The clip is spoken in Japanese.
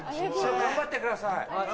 頑張ってください。